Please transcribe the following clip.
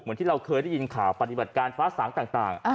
ที่เราเคยได้ยินข่าวปฏิบัติการฟ้าสางต่าง